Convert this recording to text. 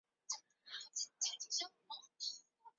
耶律铎轸在官任上去世。